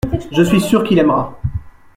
Je suis sûr qu’il aimera.